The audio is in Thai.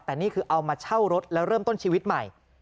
แต่นี่คือเอามาเช่ารถแล้วเริ่มต้นชีวิตใหม่